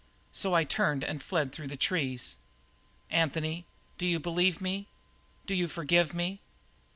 So I turned and fled through the trees. Anthony, do you believe me; do you forgive me?"